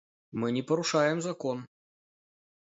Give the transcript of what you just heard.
Мы не парушаем закон.